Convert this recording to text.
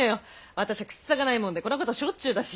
私ゃ口さがないもんでこんなこたしょっちゅうだし。